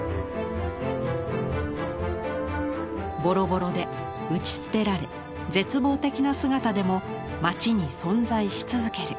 ボロボロで打ち捨てられ絶望的な姿でもまちに存在し続ける。